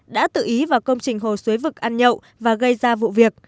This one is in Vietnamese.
đã tự ý vào công trình hồ xuế vực ăn nhậu và gây ra vụ việc